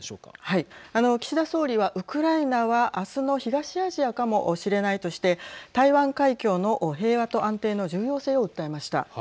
岸田総理はウクライナは、あすの東アジアかもしれないとして台湾海峡の平和と安定の重要性を訴えました。